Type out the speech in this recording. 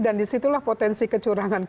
dan disitulah potensi kecurangan